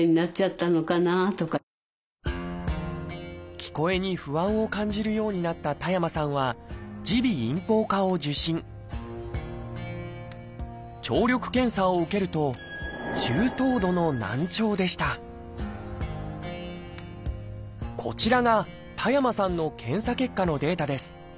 聞こえに不安を感じるようになった田山さんは耳鼻咽喉科を受診聴力検査を受けるとこちらが田山さんの検査結果のデータです。